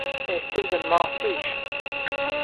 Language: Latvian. Es tevi gan mācīšu!